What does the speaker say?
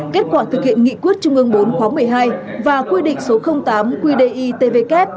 kết quả thực hiện nghị quyết trung ương bốn khóa một mươi hai và quy định số tám qditvk